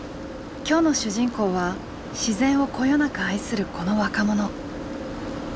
きょうの主人公は自然をこよなく愛するこの若者。